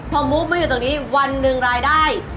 พอมุกมาอยู่ตรงนี้วันหนึ่งรายได้